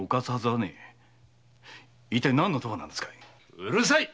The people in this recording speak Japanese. うるさい！